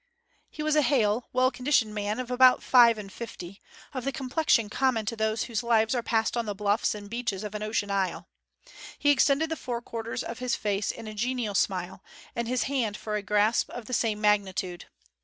He was a hale, well conditioned man of about five and fifty, of the complexion common to those whose lives are passed on the bluffs and beaches of an ocean isle. He extended the four quarters of his face in a genial smile, and his hand for a grasp of the same magnitude.